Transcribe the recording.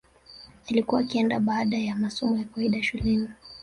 Alikuwa akienda baada ya masomo ya kawaida shuleni